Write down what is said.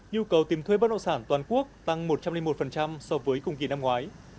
nhu cầu tìm thuê bất nộ sản toàn quốc tăng một trăm linh một so với cùng kỳ năm ngoái